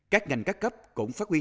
các ngành các cấp cũng phát huy